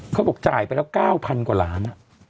เขาบอกจ่ายไปแล้ว๙๐๐กว่าล้าน